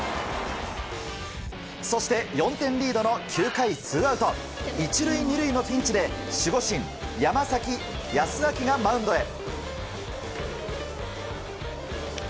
そして、４点リードの９回ツーアウト１塁２塁のピンチで守護神・山崎康晃がマウンドへ。